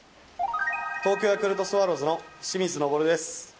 東京ヤクルトスワローズの清水昇です。